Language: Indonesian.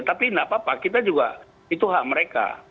tapi tidak apa apa kita juga itu hak mereka